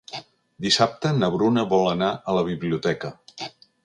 Dissabte na Bruna vol anar a la biblioteca.